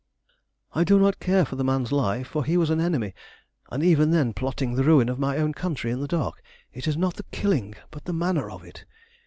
"I do not care for the man's life, for he was an enemy, and even then plotting the ruin of my own country in the dark. It is not the killing, but the manner of it.